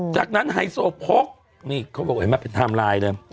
จากนั้นไฮโซพลักษณ์นี่เขาบอกว่าเหมือนมันเป็นไทม์ไลน์เลย